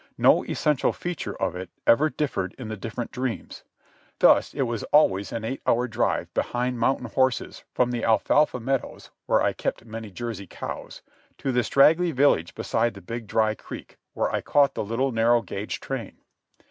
No essential feature of it ever differed in the different dreams. Thus it was always an eight hour drive behind mountain horses from the alfalfa meadows (where I kept many Jersey cows) to the straggly village beside the big dry creek, where I caught the little narrow gauge train.